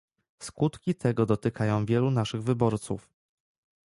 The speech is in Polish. Skutki tego dotykają wielu naszych wyborców